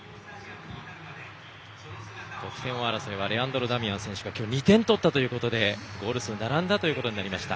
得点王争いはレアンドロ・ダミアン選手がきょう２点取ったということでゴール数並んだということになりました。